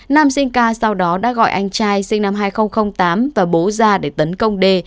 nam sinh ca sau đó đã gọi anh trai sinh năm hai nghìn tám và bố ra để tấn công đê